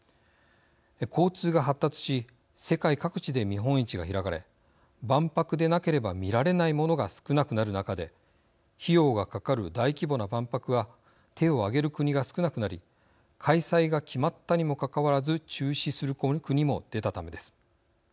交通が発達し世界各地で見本市が開かれ万博でなければ見られないものが少なくなる中で費用がかかる大規模な万博は手を挙げる国が少なくなり開催が決まったにもかかわらず中止する国も出たためです。